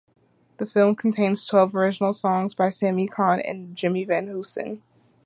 The film contains twelve original songs by Sammy Cahn and Jimmy Van Heusen.